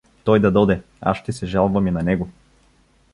Той да доде, аз ще се жалвам и на него.